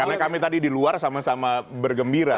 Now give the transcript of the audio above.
karena kami tadi di luar sama sama bergembira